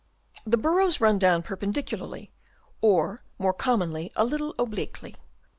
The burrows run down perpendicularly, or more commonly a little obliquely.